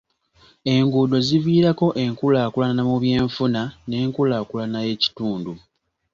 Enguudo ziviirako enkulaakulana mu by'enfuna n'enkulaakulana y'ekitundu.